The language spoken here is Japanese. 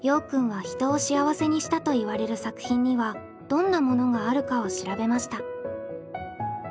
くんは人を幸せにしたといわれる作品にはどんなものがあるかを調べました。